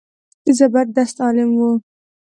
زبردست عالم و.